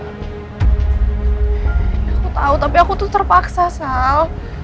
aku tahu tapi aku tuh terpaksa sal